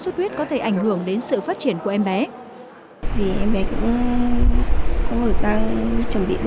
xuất huyết có thể ảnh hưởng đến sự phát triển của em bé